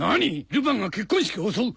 ルパンが結婚式を襲う？